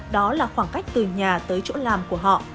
đó là khoảng cách từ nhà tới chỗ làm của họ